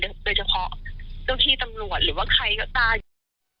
โดยเฉพาะเจ้าที่ตำรวจหรือว่าใครก็ตาม